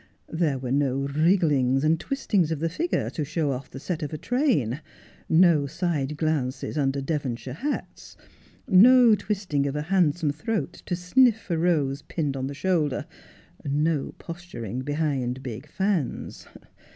There were no wrigglings and twistings of the figure, to show off the set of a train, no side glances under Devonshire hats, no twisting of a handsome throat to sniff a rose pinned on the shoulder, no posturing behind big fans.